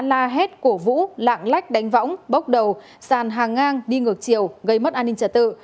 la hét cổ vũ lạng lách đánh võng bốc đầu sàn hàng ngang đi ngược chiều gây mất an ninh trật tự